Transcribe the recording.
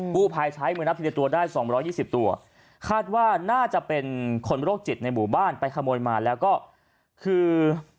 ภายใช้มือนับทีละตัวได้๒๒๐ตัวคาดว่าน่าจะเป็นคนโรคจิตในหมู่บ้านไปขโมยมาแล้วก็คือ